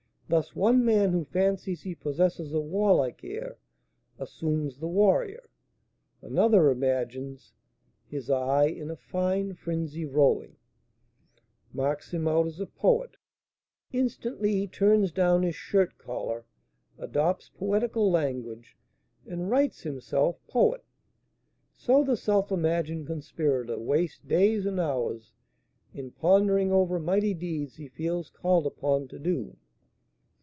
Thus one man, who fancies he possesses a warlike air, assumes the warrior; another imagines "His eye, in a fine frenzy rolling," marks him out as a poet; instantly he turns down his shirt collar, adopts poetical language, and writes himself poet. So the self imagined conspirator wastes days and hours in pondering over mighty deeds he feels called upon to do.